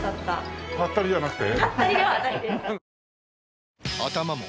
ハッタリじゃなくて？